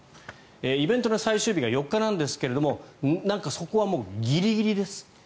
イベントの最終日が４日なんですがなんかそこはギリギリです。